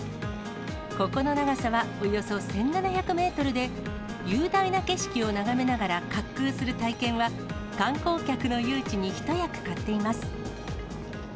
ここの長さはおよそ１７００メートルで、雄大な景色を眺めながら滑空する体験は、観光客の誘致に一役買っています。